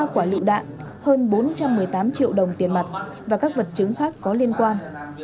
ba quả lựu đạn hơn bốn trăm một mươi tám triệu đồng tiền mặt và các vật chứng khác có liên quan